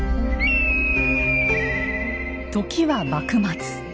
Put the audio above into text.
時は幕末。